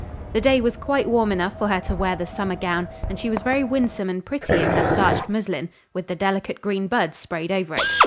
The day was quite warm enough for her to wear the summer gown, and she was very winsome and pretty in her starched muslin, with the delicate green buds sprayed over it.